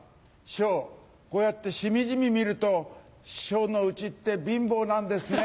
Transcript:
師匠こうやってしみじみ見ると師匠の家って貧乏なんですね。